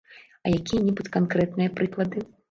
А якія-небудзь канкрэтныя прыклады?